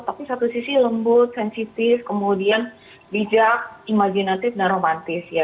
tapi satu sisi lembut sensitif kemudian bijak imajinatif dan romantis ya